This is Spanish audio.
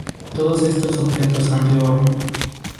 Todos estos objetos son de oro.